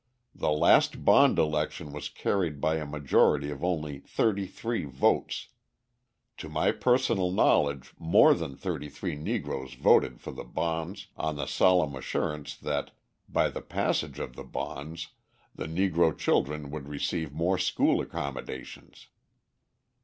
The last bond election was carried by a majority of only thirty three votes. To my personal knowledge more than thirty three Negroes voted for the bonds on the solemn assurance that by the passage of the bonds the Negro children would receive more school accommodations.